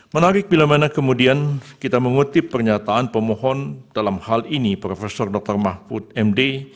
menarik bila mana kemudian kita mengutip pernyataan pemohon dalam hal ini prof dr mahfud md